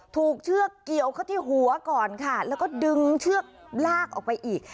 เชือกเกี่ยวเขาที่หัวก่อนค่ะแล้วก็ดึงเชือกลากออกไปอีก